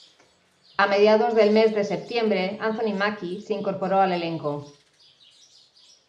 A mediados del mes de septiembre Anthony Mackie se incorporó al elenco.